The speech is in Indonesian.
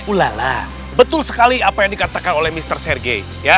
ulala betul sekali apa yang dikatakan oleh mister sergei